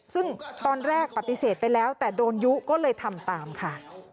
ซึ่งตอนแรกปฏิเสธไปแล้วแต่โดนยุก็เลยทำตามค่ะ